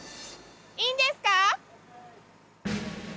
いいんですか？